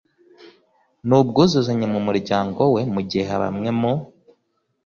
n’ubwuzuzanye mu muryango we, mu gihe bamwe mu